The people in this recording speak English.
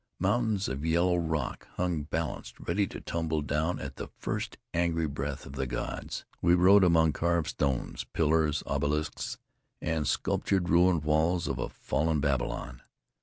Mountains of yellow rock hung balanced, ready to tumble down at the first angry breath of the gods. We rode among carved stones, pillars, obelisks and sculptured ruined walls of a fallen Babylon.